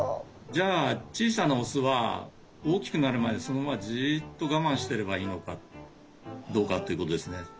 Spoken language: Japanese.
じゃあ小さなオスは大きくなるまでそのままじっとがまんしてればいいのかどうかっていうことですね。